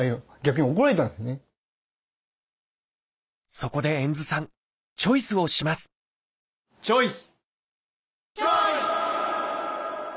そこで遠津さんチョイスをしますチョイス！